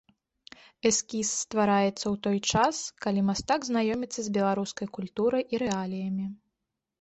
Эскіз ствараецца ў той час, калі мастак знаёміцца з беларускай культурай і рэаліямі.